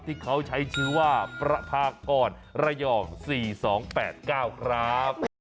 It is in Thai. ที่เขาใช้ชื่อว่าประพากรระยอง๔๒๘๙ครับ